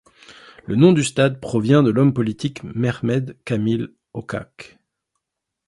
Le nom du stade provient de l'homme politique Mehmet Kamil Ocak.